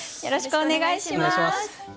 よろしくお願いします。